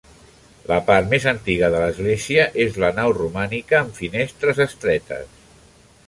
La part més antiga de l'església és la nau romànica amb finestres estretes.